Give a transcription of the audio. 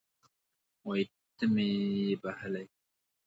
وایي ته مې یې بښلی